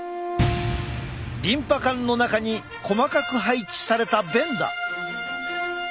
リンパ管の中に細かく配置された弁だ。